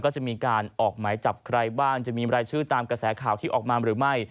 ก็จะมีการออกหมายจับใครบ้างจะมีรายชื่อตามกระแสข่าวที่ออกมาหรือไม่